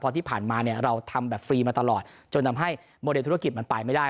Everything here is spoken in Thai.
เพราะที่ผ่านมาเนี่ยเราทำแบบฟรีมาตลอดจนทำให้โมเดลธุรกิจมันไปไม่ได้